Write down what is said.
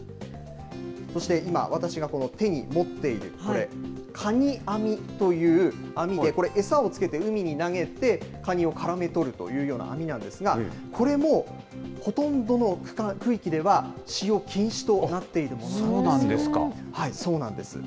そして今、私がこの手に持っているこれ、かに網という網で、これ、餌をつけて海に投げて、カニをからめとるというような網なんですが、これもほとんどの区域では、使用禁止となっているものなんでそうなんですか。